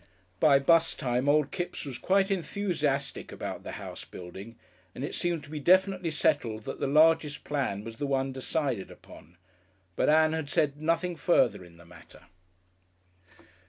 By 'bus time old Kipps was quite enthusiastic about the house building, and it seemed to be definitely settled that the largest plan was the one decided upon. But Ann had said nothing further in the matter.